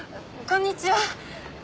こんにちは。